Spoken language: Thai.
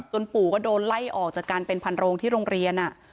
ปู่ก็โดนไล่ออกจากการเป็นพันโรงที่โรงเรียน